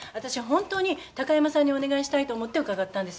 本当に高山さんにお願いしたいと思って伺ったんです。